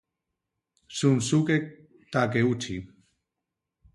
Shunsuke Takeuchi